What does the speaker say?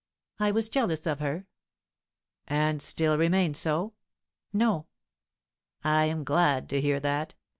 "I was jealous of her." "And still remain so?" "No." "I am glad to hear that.